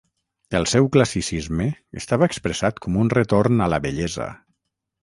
El seu classicisme estava expressat com un retorn a la bellesa.